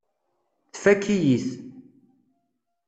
Tfakk-iyi-t.